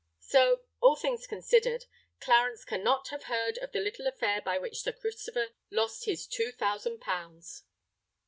So, all things considered, Clarence cannot have heard of the little affair by which Sir Christopher lost his two thousand pounds."